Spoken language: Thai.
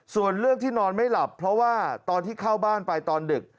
ส่วนเรื่องที่นอนไม่หลับเพราะว่าตอนที่เข้าบ้านไปตอนดึก